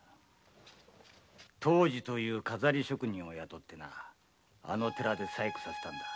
藤次という飾り職人を雇いあの寺で細工させたんだ。